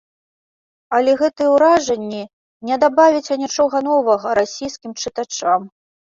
Але гэтыя ўражанні не дабавяць анічога новага расійскім чытачам.